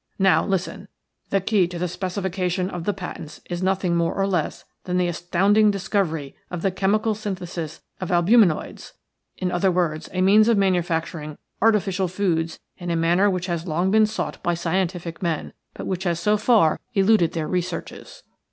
Now, listen. The key to the specification of the patents is nothing more or less than the astounding discovery of the chemical synthesis of albuminoids. In other words, a means of manufacturing artificial foods in a manner which has long been sought by scientific men, but which has so far eluded their researches."